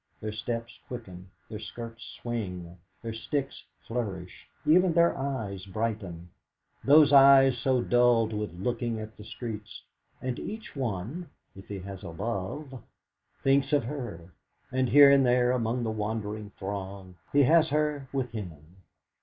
Their steps quicken, their skirts swing, their sticks flourish, even their eyes brighten those eyes so dulled with looking at the streets; and each one, if he has a Love, thinks of her, and here and there among the wandering throng he has her with him.